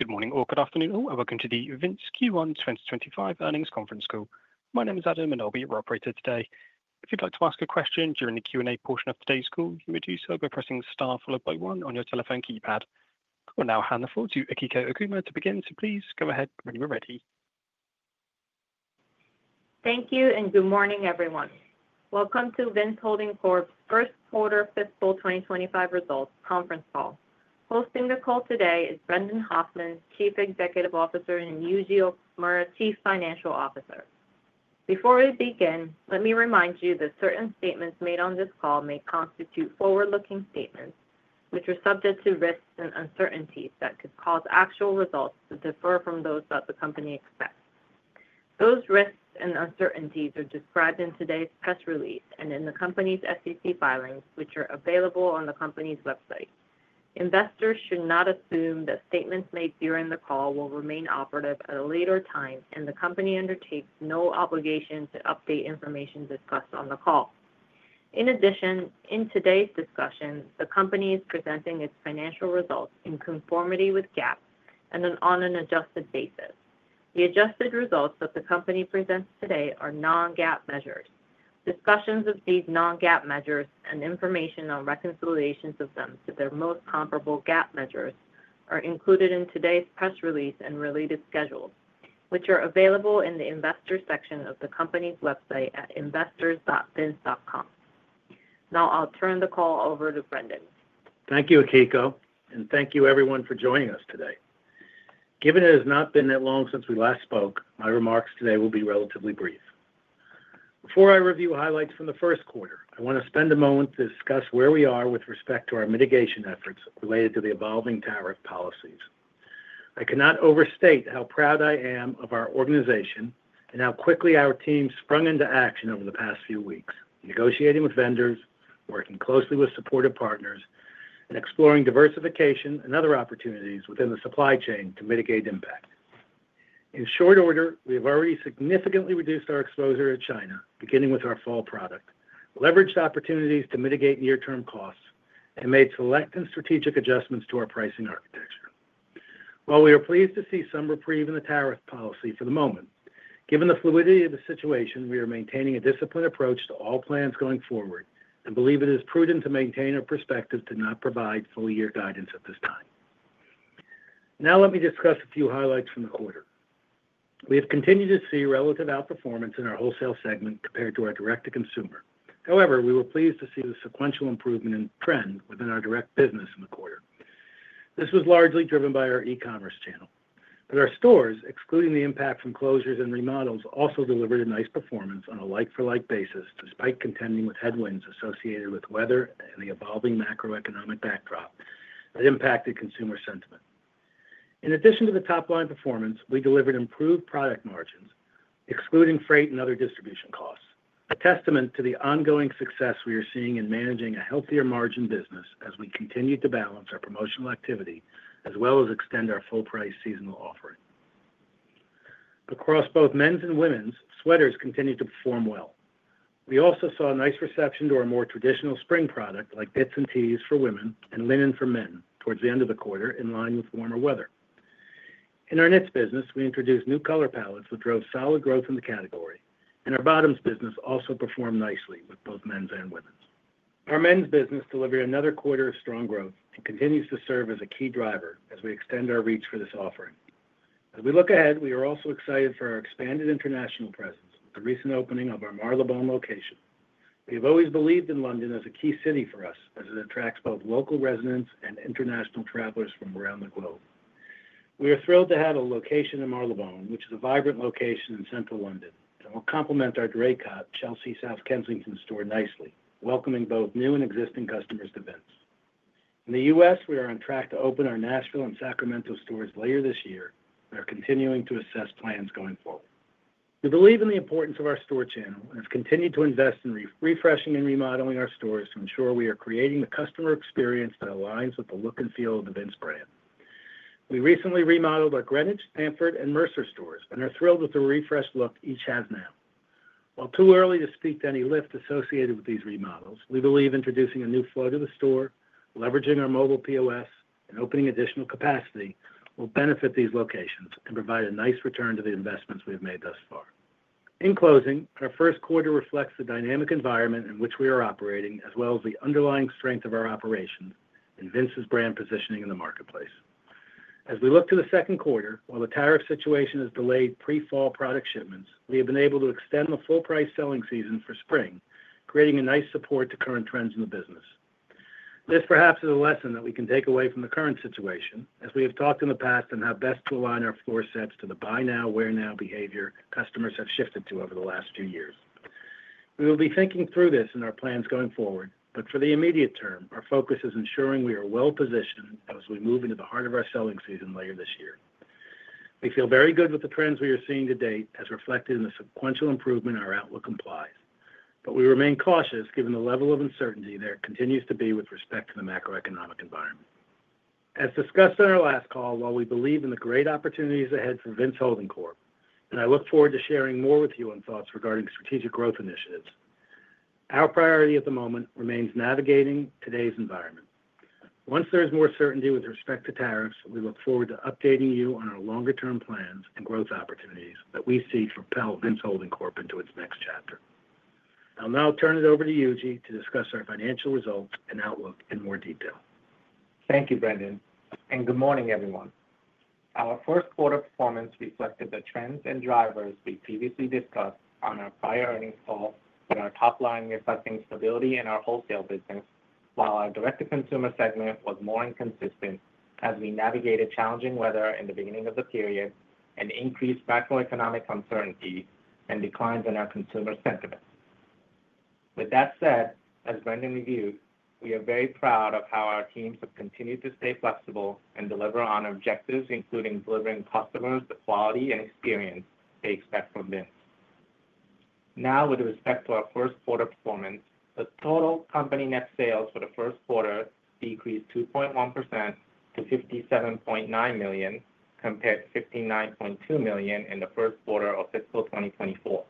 Good morning or good afternoon, and welcome to the Vince Q1 2025 earnings conference call. My name is Adam, and I'll be your operator today. If you'd like to ask a question during the Q&A portion of today's call, you would do so by pressing star followed by one on your telephone keypad. I will now hand the floor to Akiko Okuma to begin, so please go ahead when you're ready. Thank you, and good morning, everyone. Welcome to Vince Holding Corp's first quarter fiscal 2025 results conference call. Hosting the call today is Brendan Hoffman, Chief Executive Officer, and Yuji Okumura, Chief Financial Officer. Before we begin, let me remind you that certain statements made on this call may constitute forward-looking statements, which are subject to risks and uncertainties that could cause actual results to differ from those that the company expects. Those risks and uncertainties are described in today's press release and in the company's SEC filings, which are available on the company's website. Investors should not assume that statements made during the call will remain operative at a later time, and the company undertakes no obligation to update information discussed on the call. In addition, in today's discussion, the company is presenting its financial results in conformity with GAAP and on an adjusted basis. The adjusted results that the company presents today are non-GAAP measures. Discussions of these non-GAAP measures and information on reconciliations of them to their most comparable GAAP measures are included in today's press release and related schedules, which are available in the investor section of the company's website at investors.vince.com. Now I'll turn the call over to Brendan. Thank you, Akiko, and thank you, everyone, for joining us today. Given it has not been that long since we last spoke, my remarks today will be relatively brief. Before I review highlights from the first quarter, I want to spend a moment to discuss where we are with respect to our mitigation efforts related to the evolving tariff policies. I cannot overstate how proud I am of our organization and how quickly our team sprung into action over the past few weeks, negotiating with vendors, working closely with supportive partners, and exploring diversification and other opportunities within the supply chain to mitigate impact. In short order, we have already significantly reduced our exposure to China, beginning with our fall product, leveraged opportunities to mitigate near-term costs, and made select and strategic adjustments to our pricing architecture. While we are pleased to see some reprieve in the tariff policy for the moment, given the fluidity of the situation, we are maintaining a disciplined approach to all plans going forward and believe it is prudent to maintain our perspective to not provide full year guidance at this time. Now let me discuss a few highlights from the quarter. We have continued to see relative outperformance in our wholesale segment compared to our direct-to-consumer. However, we were pleased to see the sequential improvement in trend within our direct business in the quarter. This was largely driven by our e-commerce channel. Our stores, excluding the impact from closures and remodels, also delivered a nice performance on a like-for-like basis, despite contending with headwinds associated with weather and the evolving macroeconomic backdrop that impacted consumer sentiment. In addition to the top-line performance, we delivered improved product margins, excluding freight and other distribution costs, a testament to the ongoing success we are seeing in managing a healthier margin business as we continue to balance our promotional activity as well as extend our full-price seasonal offering. Across both men's and women's, sweaters continued to perform well. We also saw a nice reception to our more traditional spring product like blouses and tees for women and linen for men towards the end of the quarter, in line with warmer weather. In our knits business, we introduced new color palettes that drove solid growth in the category, and our bottoms business also performed nicely with both men's and women's. Our men's business delivered another quarter of strong growth and continues to serve as a key driver as we extend our reach for this offering. As we look ahead, we are also excited for our expanded international presence with the recent opening of our Marylebone location. We have always believed in London as a key city for us as it attracts both local residents and international travelers from around the globe. We are thrilled to have a location in Marylebone, which is a vibrant location in central London, and will complement our Brompton Cross, Chelsea, South Kensington store nicely, welcoming both new and existing customers to Vince. In the U.S., we are on track to open our Nashville and Sacramento stores later this year and are continuing to assess plans going forward. We believe in the importance of our store channel and have continued to invest in refreshing and remodeling our stores to ensure we are creating the customer experience that aligns with the look and feel of the Vince brand. We recently remodeled our Greenwich, Stanford, and Mercer stores and are thrilled with the refreshed look each has now. While too early to speak to any lift associated with these remodels, we believe introducing a new floor to the store, leveraging our mobile POS, and opening additional capacity will benefit these locations and provide a nice return to the investments we have made thus far. In closing, our first quarter reflects the dynamic environment in which we are operating, as well as the underlying strength of our operations and Vince's brand positioning in the marketplace. As we look to the second quarter, while the tariff situation has delayed pre-fall product shipments, we have been able to extend the full-price selling season for spring, creating a nice support to current trends in the business. This perhaps is a lesson that we can take away from the current situation, as we have talked in the past on how best to align our floor sets to the buy now, wear now behavior customers have shifted to over the last few years. We will be thinking through this in our plans going forward, but for the immediate term, our focus is ensuring we are well positioned as we move into the heart of our selling season later this year. We feel very good with the trends we are seeing to date, as reflected in the sequential improvement our outlook implies, but we remain cautious given the level of uncertainty there continues to be with respect to the macroeconomic environment. As discussed on our last call, while we believe in the great opportunities ahead for Vince Holding Corp, and I look forward to sharing more with you on thoughts regarding strategic growth initiatives, our priority at the moment remains navigating today's environment. Once there is more certainty with respect to tariffs, we look forward to updating you on our longer-term plans and growth opportunities that we see propel Vince Holding Corp into its next chapter. I'll now turn it over to Yuji to discuss our financial results and outlook in more detail. Thank you, Brendan, and good morning, everyone. Our first quarter performance reflected the trends and drivers we previously discussed on our prior earnings call, with our top-line reflecting stability in our wholesale business, while our direct-to-consumer segment was more inconsistent as we navigated challenging weather in the beginning of the period and increased macroeconomic uncertainty and declines in our consumer sentiment. With that said, as Brendan reviewed, we are very proud of how our teams have continued to stay flexible and deliver on objectives, including delivering customers the quality and experience they expect from Vince. Now, with respect to our first quarter performance, the total company net sales for the first quarter decreased 2.1% to $57.9 million, compared to $59.2 million in the first quarter of fiscal 2024.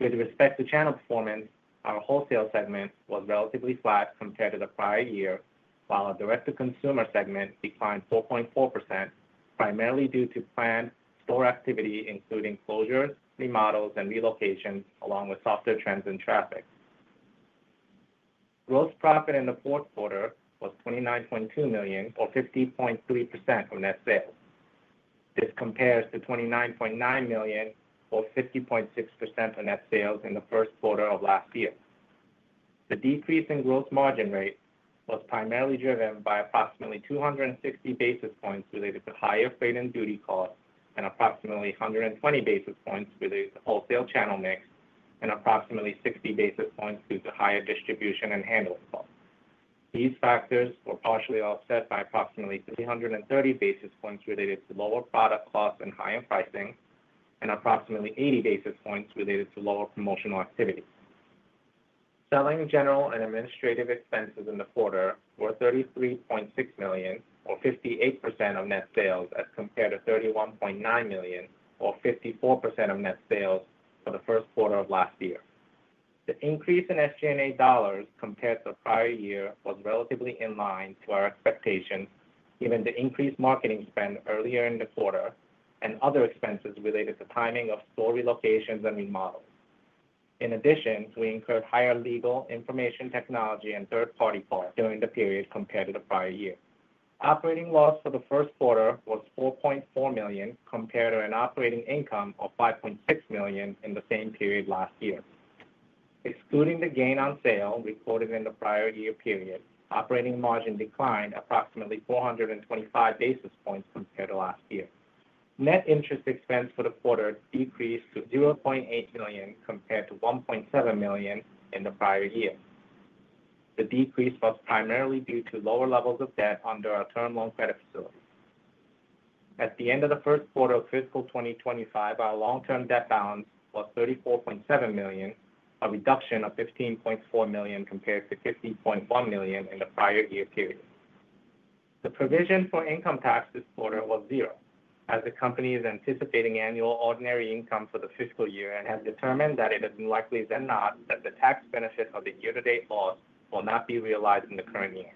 With respect to channel performance, our wholesale segment was relatively flat compared to the prior year, while our direct-to-consumer segment declined 4.4%, primarily due to planned store activity, including closures, remodels, and relocations, along with softer trends in traffic. Gross profit in the fourth quarter was $29.2 million, or 50.3% of net sales. This compares to $29.9 million, or 50.6% of net sales in the first quarter of last year. The decrease in gross margin rate was primarily driven by approximately 260 basis points related to higher freight and duty costs and approximately 120 basis points related to wholesale channel mix and approximately 60 basis points due to higher distribution and handling costs. These factors were partially offset by approximately 330 basis points related to lower product costs and higher pricing and approximately 80 basis points related to lower promotional activity. Selling, general and administrative expenses in the quarter were $33.6 million, or 58% of net sales, as compared to $31.9 million, or 54% of net sales for the first quarter of last year. The increase in SG&A dollars compared to the prior year was relatively in line to our expectations, given the increased marketing spend earlier in the quarter and other expenses related to timing of store relocations and remodels. In addition, we incurred higher legal, information technology, and third-party costs during the period compared to the prior year. Operating loss for the first quarter was $4.4 million compared to an operating income of $5.6 million in the same period last year. Excluding the gain on sale reported in the prior year period, operating margin declined approximately 425 basis points compared to last year. Net interest expense for the quarter decreased to $0.8 million compared to $1.7 million in the prior year. The decrease was primarily due to lower levels of debt under our term loan credit facility. At the end of the first quarter of fiscal 2025, our long-term debt balance was $34.7 million, a reduction of $15.4 million compared to $15.1 million in the prior year period. The provision for income tax this quarter was zero, as the company is anticipating annual ordinary income for the fiscal year and has determined that it is likely than not that the tax benefit of the year-to-date loss will not be realized in the current year.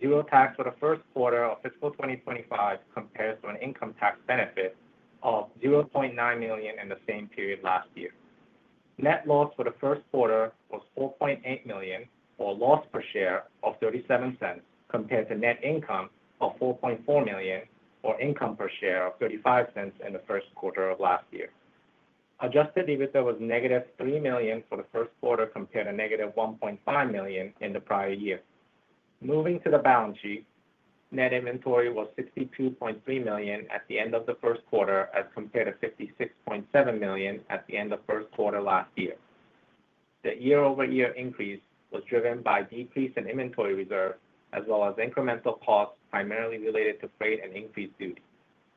Zero tax for the first quarter of fiscal 2025 compares to an income tax benefit of $0.9 million in the same period last year. Net loss for the first quarter was $4.8 million, or loss per share of $0.37, compared to net income of $4.4 million, or income per share of $0.35 in the first quarter of last year. Adjusted EBITDA was negative $3 million for the first quarter compared to negative $1.5 million in the prior year. Moving to the balance sheet, net inventory was $62.3 million at the end of the first quarter as compared to $56.7 million at the end of first quarter last year. The year-over-year increase was driven by decrease in inventory reserves as well as incremental costs primarily related to freight and increased duty.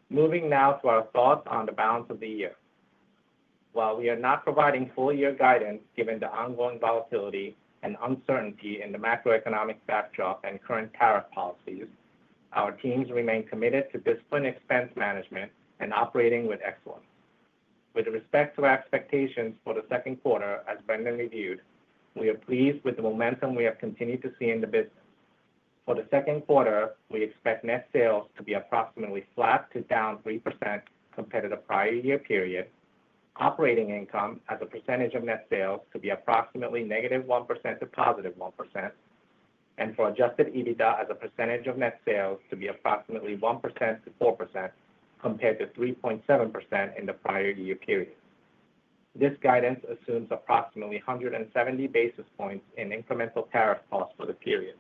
Moving now to our thoughts on the balance of the year. While we are not providing full year guidance given the ongoing volatility and uncertainty in the macroeconomic backdrop and current tariff policies, our teams remain committed to disciplined expense management and operating with excellence. With respect to our expectations for the second quarter, as Brendan reviewed, we are pleased with the momentum we have continued to see in the business. For the second quarter, we expect net sales to be approximately flat to down 3% compared to the prior year period, operating income as a percentage of net sales to be approximately negative 1% to positive 1%, and for adjusted EBITDA as a percentage of net sales to be approximately 1%-4% compared to 3.7% in the prior year period. This guidance assumes approximately 170 basis points in incremental tariff costs for the period.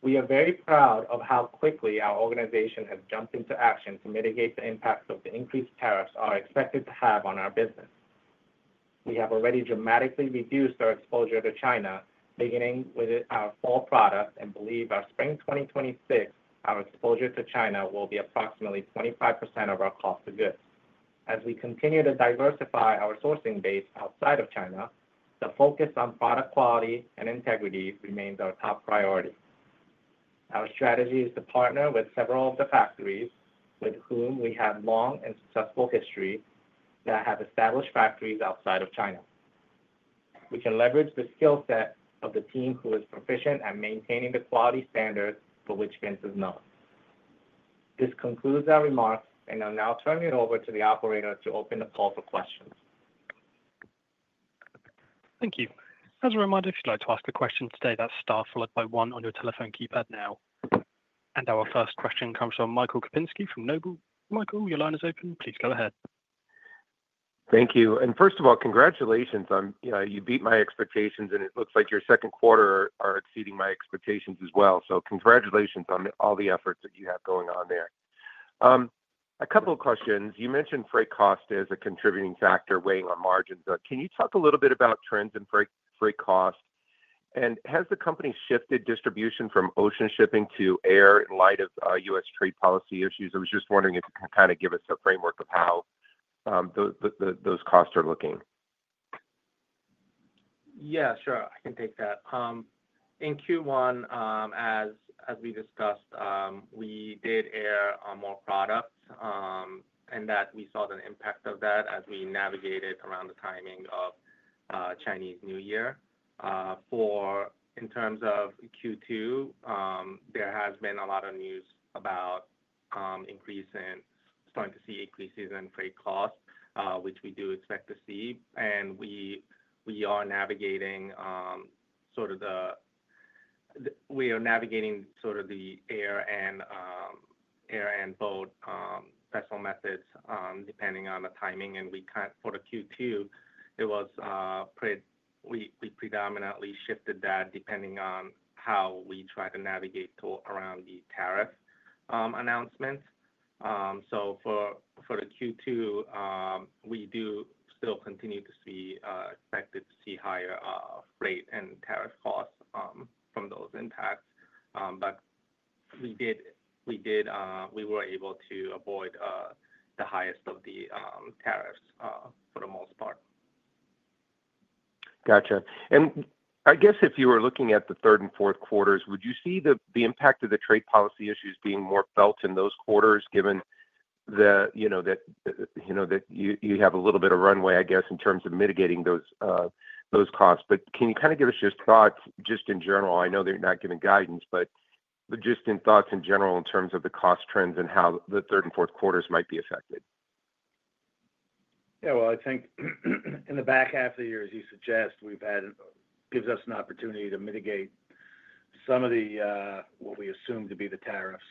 We are very proud of how quickly our organization has jumped into action to mitigate the impacts the increased tariffs are expected to have on our business. We have already dramatically reduced our exposure to China, beginning with our fall product, and believe by spring 2026, our exposure to China will be approximately 25% of our cost of goods. As we continue to diversify our sourcing base outside of China, the focus on product quality and integrity remains our top priority. Our strategy is to partner with several of the factories with whom we have a long and successful history that have established factories outside of China. We can leverage the skill set of the team who is proficient at maintaining the quality standards for which Vince is known. This concludes our remarks, and I'll now turn it over to the operator to open the call for questions. Thank you. As a reminder, if you'd like to ask a question today, that's star followed by one on your telephone keypad now. Our first question comes from Michael Kupinski from Noble. Michael, your line is open. Please go ahead. Thank you. First of all, congratulations. You beat my expectations, and it looks like your second quarter is exceeding my expectations as well. Congratulations on all the efforts that you have going on there. A couple of questions. You mentioned freight cost as a contributing factor weighing on margins. Can you talk a little bit about trends in freight cost, and has the company shifted distribution from ocean shipping to air in light of U.S. trade policy issues? I was just wondering if you can kind of give us a framework of how those costs are looking. Yeah, sure. I can take that. In Q1, as we discussed, we did air more product and we saw the impact of that as we navigated around the timing of Chinese New Year. In terms of Q2, there has been a lot of news about starting to see increases in freight cost, which we do expect to see. We are navigating sort of the air and boat vessel methods depending on the timing. For Q2, we predominantly shifted that depending on how we try to navigate around the tariff announcements. For Q2, we do still continue to expect to see higher freight and tariff costs from those impacts. We were able to avoid the highest of the tariffs for the most part. Gotcha. I guess if you were looking at the third and fourth quarters, would you see the impact of the trade policy issues being more felt in those quarters given that you have a little bit of runway, I guess, in terms of mitigating those costs? Can you kind of give us your thoughts just in general? I know they're not giving guidance, but just in thoughts in general in terms of the cost trends and how the third and fourth quarters might be affected. Yeah, I think in the back half of the year, as you suggest, it gives us an opportunity to mitigate some of what we assume to be the tariffs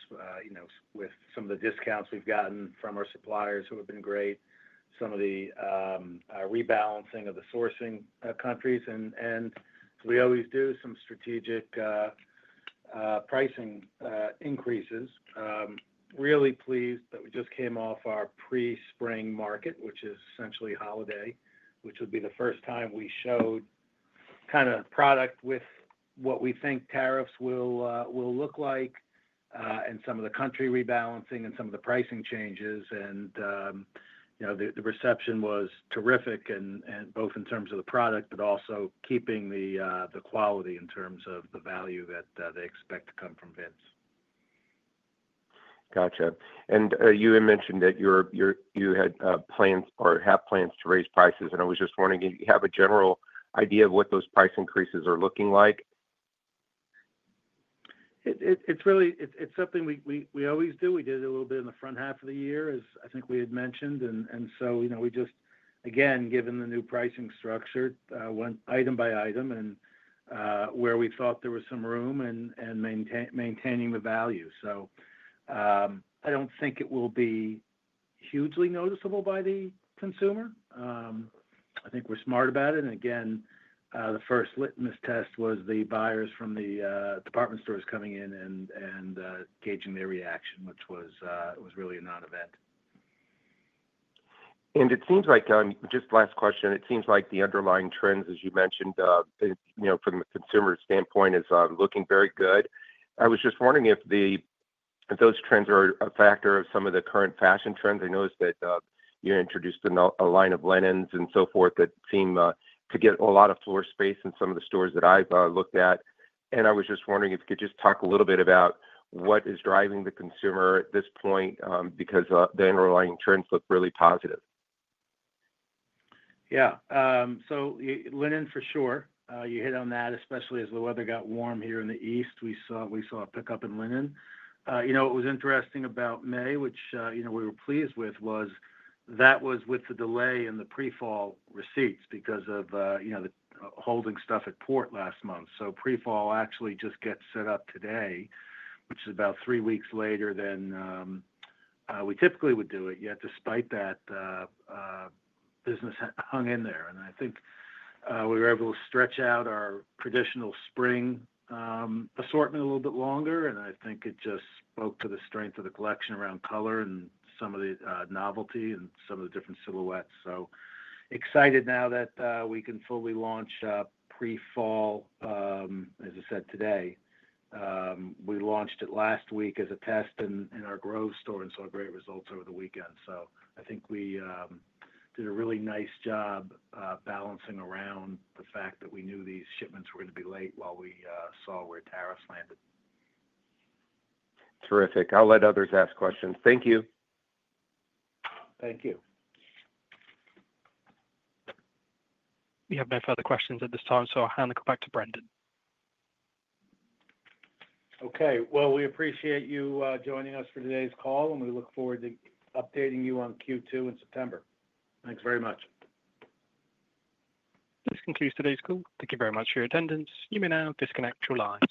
with some of the discounts we've gotten from our suppliers who have been great, some of the rebalancing of the sourcing countries. We always do some strategic pricing increases. Really pleased that we just came off our pre-spring market, which is essentially holiday, which would be the first time we showed kind of product with what we think tariffs will look like and some of the country rebalancing and some of the pricing changes. The reception was terrific, both in terms of the product, but also keeping the quality in terms of the value that they expect to come from Vince. Gotcha. You had mentioned that you had plans or have plans to raise prices. I was just wondering, do you have a general idea of what those price increases are looking like? It's something we always do. We did it a little bit in the front half of the year, as I think we had mentioned. We just, again, given the new pricing structure, went item by item and where we thought there was some room and maintaining the value. I do not think it will be hugely noticeable by the consumer. I think we're smart about it. The first litmus test was the buyers from the department stores coming in and gauging their reaction, which was really a non-event. It seems like, just last question, it seems like the underlying trends, as you mentioned from the consumer standpoint, are looking very good. I was just wondering if those trends are a factor of some of the current fashion trends. I noticed that you introduced a line of linens and so forth that seem to get a lot of floor space in some of the stores that I've looked at. I was just wondering if you could just talk a little bit about what is driving the consumer at this point because the underlying trends look really positive. Yeah. So linen, for sure. You hit on that, especially as the weather got warm here in the east. We saw a pickup in linen. What was interesting about May, which we were pleased with, was that was with the delay in the pre-fall receipts because of holding stuff at port last month. So pre-fall actually just gets set up today, which is about three weeks later than we typically would do it. Yet, despite that, business hung in there. I think we were able to stretch out our traditional spring assortment a little bit longer. I think it just spoke to the strength of the collection around color and some of the novelty and some of the different silhouettes. Excited now that we can fully launch pre-fall, as I said today. We launched it last week as a test in our Grove store and saw great results over the weekend. I think we did a really nice job balancing around the fact that we knew these shipments were going to be late while we saw where tariffs landed. Terrific. I'll let others ask questions. Thank you. Thank you. We have no further questions at this time. I'll hand the call back to Brendan. Okay. We appreciate you joining us for today's call, and we look forward to updating you on Q2 in September. Thanks very much. This concludes today's call. Thank you very much for your attendance. You may now disconnect your lines.